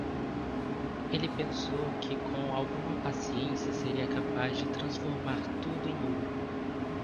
Ele pensou que com alguma paciência seria capaz de transformar tudo em ouro.